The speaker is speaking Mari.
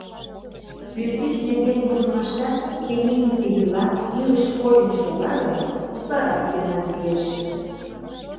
Пӱртӱс нерген возымаштат тенийысе йӱла, илыш койын шога гын, утларак йӧнан лиеш.